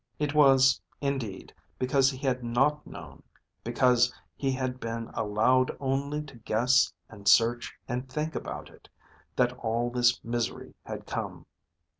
It was, indeed, because he had not known, because he had been allowed only to guess and search and think about it, that all this misery had come.